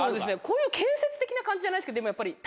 こういう建設的な感じじゃないですけど。